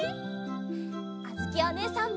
あづきおねえさんも！